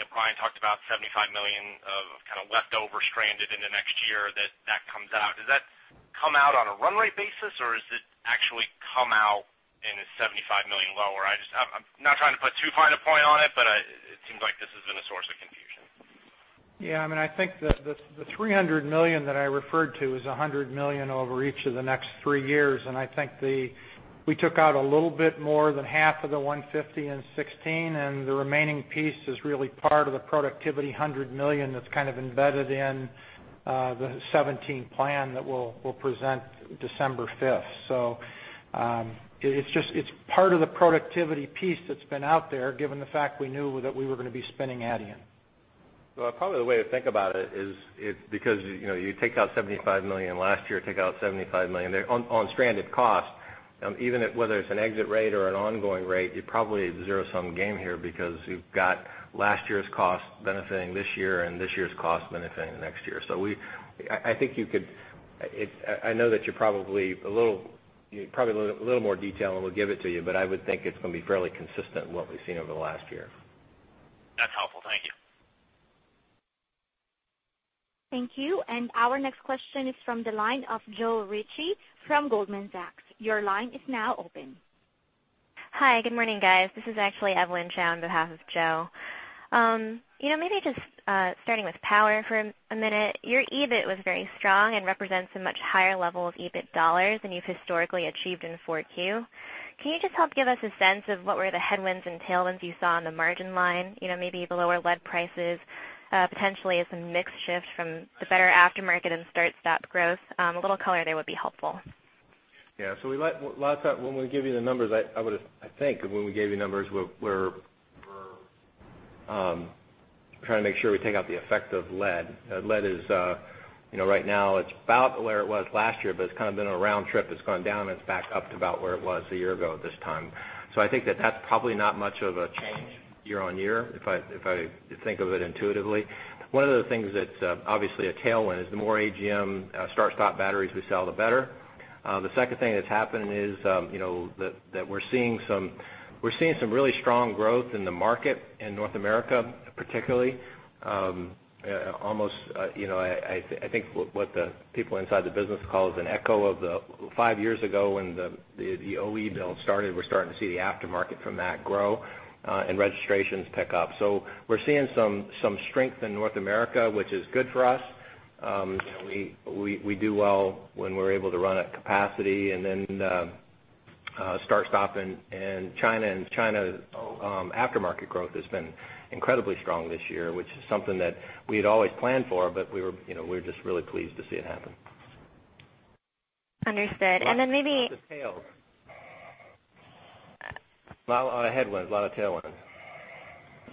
Brian talked about $75 million of kind of leftover stranded in the next year that comes out. Does that come out on a run rate basis, or does it actually come out in a $75 million lower? I'm not trying to put too fine a point on it, but it seems like this has been a source of confusion. Yeah. I think the $300 million that I referred to is $100 million over each of the next three years. I think we took out a little bit more than half of the $150 in 2016, and the remaining piece is really part of the productivity, $100 million, that's kind of embedded in the 2017 plan that we'll present December 5th. It's part of the productivity piece that's been out there, given the fact we knew that we were going to be spinning Adient. Well, probably the way to think about it is because you take out $75 million last year, take out $75 million there on stranded costs, whether it's an exit rate or an ongoing rate, you're probably at a zero-sum game here because you've got last year's cost benefiting this year and this year's cost benefiting next year. I know that you probably need a little more detail, we'll give it to you, I would think it's going to be fairly consistent in what we've seen over the last year. That's helpful. Thank you. Thank you. Our next question is from the line of Joe Ritchie from Goldman Sachs. Your line is now open. Hi, good morning, guys. This is actually Evelyn Chung on behalf of Joe. Just starting with Power for a minute. Your EBIT was very strong and represents a much higher level of EBIT dollars than you've historically achieved in 4Q. Can you just help give us a sense of what were the headwinds and tailwinds you saw on the margin line? Maybe the lower lead prices, potentially some mix shift from the better aftermarket and start-stop growth. A little color there would be helpful. Yeah. When we give you the numbers, I think when we gave you numbers, we're trying to make sure we take out the effect of lead. Lead is, right now, it's about where it was last year, but it's kind of been a round trip that's gone down, and it's back up to about where it was a year ago at this time. I think that that's probably not much of a change year-over-year if I think of it intuitively. One of the things that's obviously a tailwind is the more AGM start-stop batteries we sell, the better. The second thing that's happened is that we're seeing some really strong growth in the market in North America, particularly. I think what the people inside the business call is an echo of the five years ago when the OE build started. We're starting to see the aftermarket from that grow and registrations pick up. We're seeing some strength in North America, which is good for us. We do well when we're able to run at capacity. Start-stop in China and China aftermarket growth has been incredibly strong this year, which is something that we had always planned for, but we're just really pleased to see it happen. Understood. A lot of headwinds, a lot of tailwinds.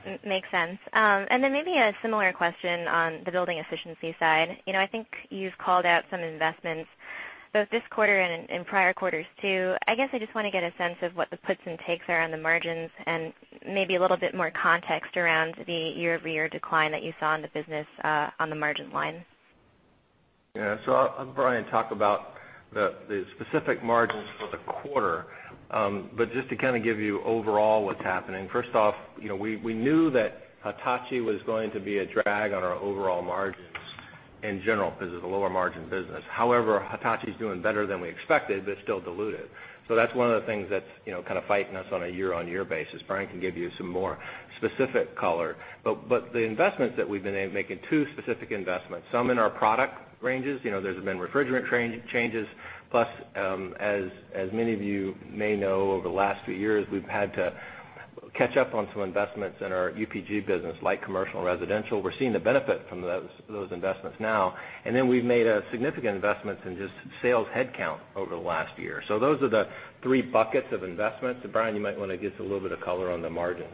Then maybe a similar question on the Building Efficiency side. I think you've called out some investments both this quarter and in prior quarters too. I guess I just want to get a sense of what the puts and takes are on the margins and maybe a little bit more context around the year-over-year decline that you saw in the business on the margin line. Yeah. Brian talked about the specific margins for the quarter. Just to kind of give you overall what's happening, first off, we knew that Hitachi was going to be a drag on our overall margins in general because it's a lower margin business. However, Hitachi is doing better than we expected, but still diluted. That's one of the things that's kind of fighting us on a year-on-year basis. Brian can give you some more specific color. The investments that we've been making, two specific investments, some in our product ranges. There's been refrigerant changes, plus, as many of you may know, over the last few years, we've had to catch up on some investments in our UPG business, like commercial and residential. We're seeing the benefit from those investments now. Then we've made significant investments in just sales headcount over the last year. Those are the three buckets of investments. Brian, you might want to give us a little bit of color on the margins.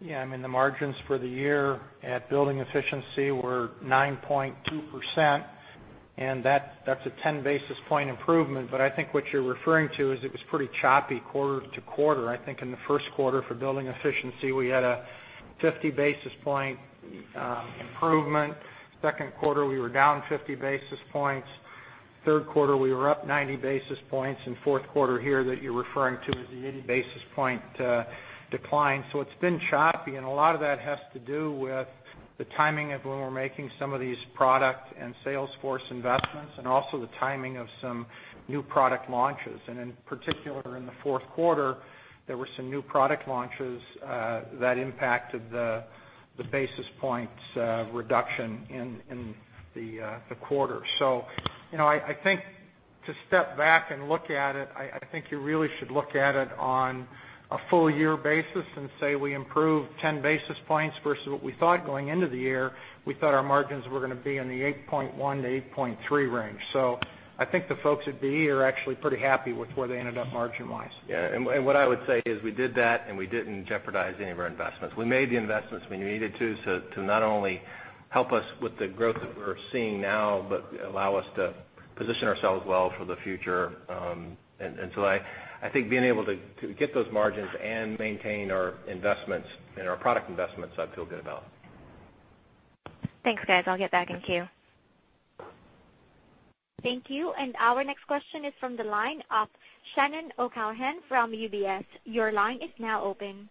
Yeah. The margins for the year at Building Efficiency were 9.2%, and that's a 10-basis point improvement. I think what you're referring to is it was pretty choppy quarter to quarter. I think in the first quarter for Building Efficiency, we had a 50-basis point improvement. Second quarter, we were down 50 basis points. Third quarter, we were up 90 basis points. Fourth quarter here that you're referring to is the 80 basis point decline. It's been choppy, and a lot of that has to do with the timing of when we're making some of these product and sales force investments, and also the timing of some new product launches. In particular, in the fourth quarter, there were some new product launches that impacted the basis points reduction in the quarter. I think to step back and look at it, I think you really should look at it on a full year basis and say we improved 10 basis points versus what we thought going into the year. We thought our margins were going to be in the 8.1 to 8.3 range. I think the folks at BE are actually pretty happy with where they ended up margin-wise. Yeah. What I would say is we did that, and we didn't jeopardize any of our investments. We made the investments when we needed to not only help us with the growth that we're seeing now, but allow us to position ourselves well for the future. I think being able to get those margins and maintain our investments and our product investments, I feel good about. Thanks, guys. I'll get back in queue. Thank you. Our last question is from the line of Shannon O'Callaghan from UBS. Your line is now open.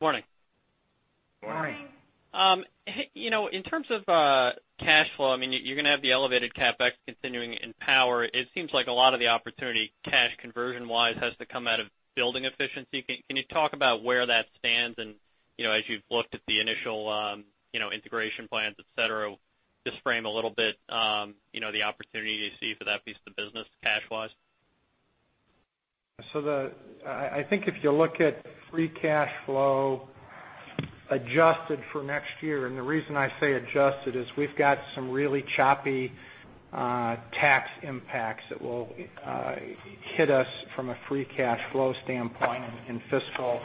Morning. Morning. Morning. In terms of cash flow, you're going to have the elevated CapEx continuing in Power Solutions. It seems like a lot of the opportunity cash conversion-wise has to come out of Building Efficiency. Can you talk about where that stands? As you've looked at the initial integration plans, et cetera, just frame a little bit the opportunity to see for that piece of the business cash-wise. I think if you look at free cash flow adjusted for next year, the reason I say adjusted is we've got some really choppy tax impacts that will hit us from a free cash flow standpoint in fiscal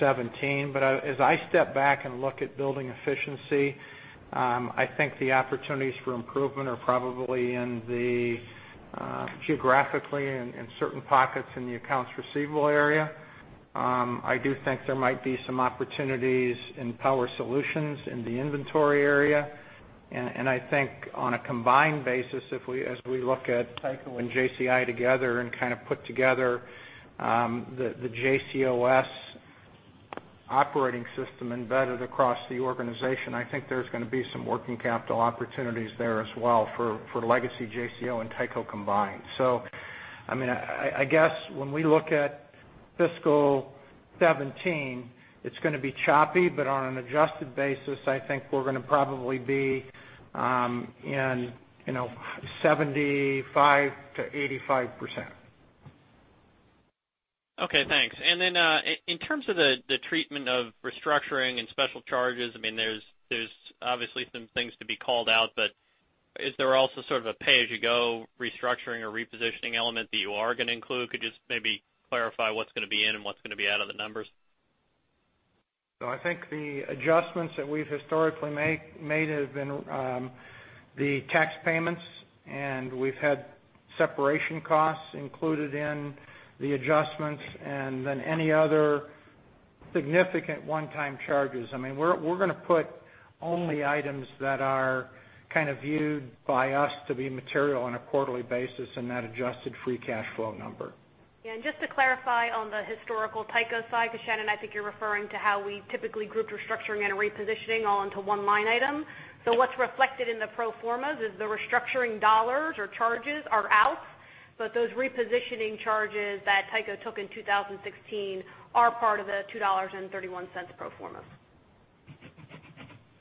2017. As I step back and look at Building Efficiency, I think the opportunities for improvement are probably geographically in certain pockets in the accounts receivable area. I do think there might be some opportunities in Power Solutions in the inventory area. I think on a combined basis, as we look at Tyco and JCI together and put together the JCOS operating system embedded across the organization, I think there's going to be some working capital opportunities there as well for legacy JCI and Tyco combined. I guess when we look at fiscal 2017, it's going to be choppy, but on an adjusted basis, I think we're going to probably be in 75%-85%. Okay, thanks. In terms of the treatment of restructuring and special charges, there is obviously some things to be called out, but is there also sort of a pay as you go restructuring or repositioning element that you are going to include? Could you just maybe clarify what is going to be in and what is going to be out of the numbers? I think the adjustments that we have historically made have been the tax payments, we have had separation costs included in the adjustments, any other significant one-time charges. We are going to put only items that are kind of viewed by us to be material on a quarterly basis in that adjusted free cash flow number. Just to clarify on the historical Tyco side, because Shannon, I think you are referring to how we typically grouped restructuring and repositioning all into one line item. What is reflected in the pro formas is the restructuring dollars or charges are out, but those repositioning charges that Tyco took in 2016 are part of the $2.31 pro formas.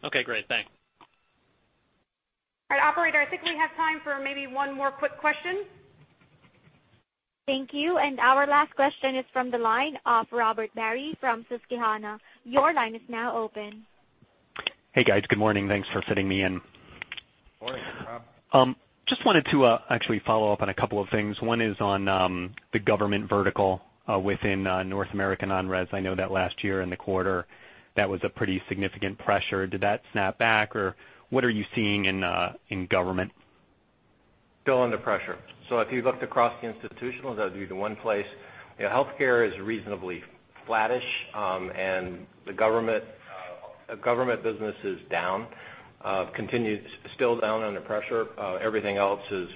Okay, great. Thanks. All right, operator, I think we have time for maybe one more quick question. Thank you. Our last question is from the line of Robert Barry from Susquehanna. Your line is now open. Hey, guys. Good morning. Thanks for fitting me in. Morning, Rob. Just wanted to actually follow up on a couple of things. One is on the government vertical within North American non-res. I know that last year in the quarter, that was a pretty significant pressure. Did that snap back, or what are you seeing in government? Still under pressure. If you looked across the institutional, that would be the one place. Healthcare is reasonably flattish, and the government business is down. Continues still down under pressure. Everything else is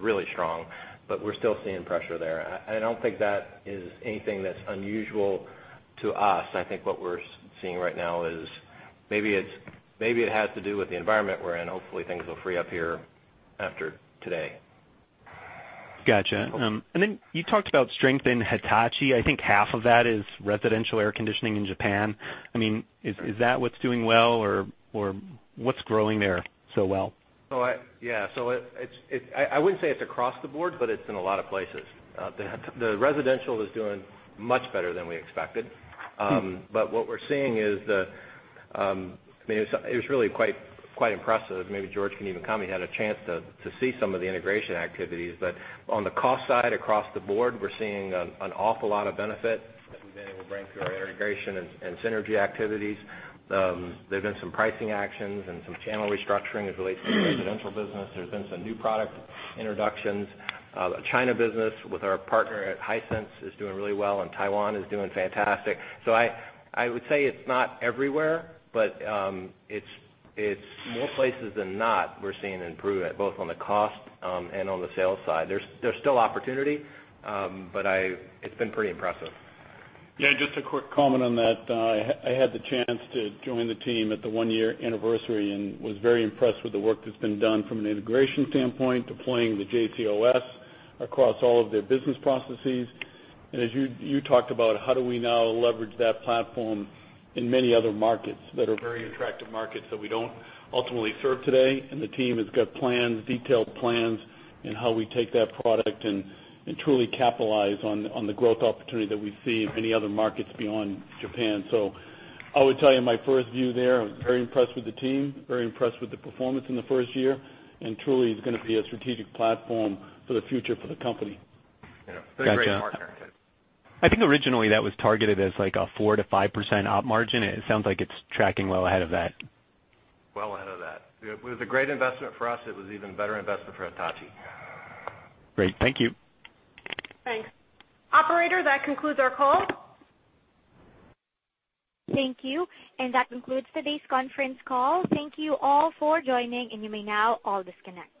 really strong, but we're still seeing pressure there. I don't think that is anything that's unusual to us. I think what we're seeing right now is maybe it has to do with the environment we're in. Hopefully, things will free up here after today. Got you. You talked about strength in Hitachi. I think half of that is residential air conditioning in Japan. Is that what's doing well, or what's growing there so well? Yeah. I wouldn't say it's across the board, but it's in a lot of places. The residential is doing much better than we expected. It was really quite impressive. Maybe George can even comment. He had a chance to see some of the integration activities. On the cost side, across the board, we're seeing an awful lot of benefit that we've been able to bring through our integration and synergy activities. There's been some pricing actions and some channel restructuring as it relates to the residential business. There's been some new product introductions. The China business with our partner at Hisense is doing really well, and Taiwan is doing fantastic. I would say it's not everywhere, but it's more places than not, we're seeing improvement, both on the cost and on the sales side. There's still opportunity, but it's been pretty impressive. Yeah, just a quick comment on that. I had the chance to join the team at the one-year anniversary and was very impressed with the work that's been done from an integration standpoint, deploying the JCOS across all of their business processes. As you talked about, how do we now leverage that platform in many other markets that are very attractive markets that we don't ultimately serve today? The team has got plans, detailed plans, in how we take that product and truly capitalize on the growth opportunity that we see in many other markets beyond Japan. I would tell you my first view there, I'm very impressed with the team, very impressed with the performance in the first year, and truly, it's going to be a strategic platform for the future for the company. Yeah. It's been a great partner. I think originally that was targeted as like a 4%-5% op margin. It sounds like it's tracking well ahead of that. Well ahead of that. It was a great investment for us. It was even better investment for Hitachi. Great. Thank you. Thanks. Operator, that concludes our call. Thank you. That concludes today's conference call. Thank you all for joining, and you may now all disconnect.